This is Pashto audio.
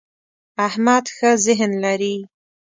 احمد ښه ذهن لري.